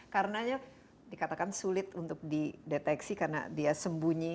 karena dikatakan sulit untuk dideteksi karena dia sembunyi